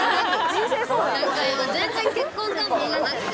なんか全然、今、結婚願望がなくて。